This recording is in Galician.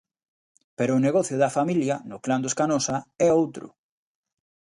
Pero o negocio da familia, do clan dos Canosa, é outro.